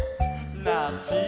「なし！」